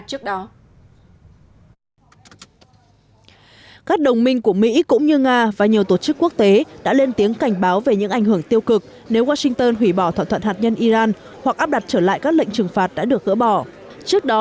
trước đó các đồng minh của mỹ cũng như nga và nhiều tổ chức quốc tế đã lên tiếng cảnh báo về những ảnh hưởng tiêu cực nếu washington hủy bỏ thỏa thuận hạt nhân iran hoặc áp đặt trở lại các lệnh trừng phạt đã được gỡ bỏ trước đó